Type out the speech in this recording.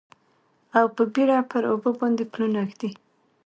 او په بیړه پر اوبو باندې پلونه ږدي